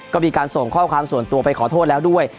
ก็มีการส่งข้อความส่วนตัวไปขอโทษแล้วด้วย